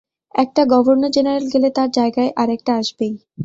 একটা governor general গেলে তাঁর জায়গায় আর একটা আসবেই।